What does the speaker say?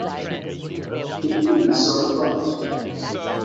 It feeds on plankton.